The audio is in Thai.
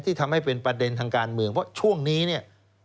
ทำให้เป็นประเด็นทางการเมืองเพราะช่วงนี้เนี่ย